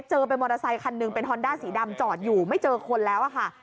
เจอเป็นมอเตอร์ไซคันหนึ่งเป็นฮอนด้าสีดำจอดอยู่ไม่เจอคนแล้วอะค่ะ